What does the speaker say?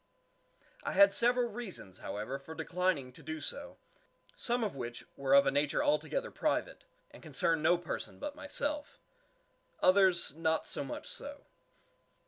I had several reasons, however, for declining to do so, some of which were of a nature altogether private, and concern no person but myself; others not so much so.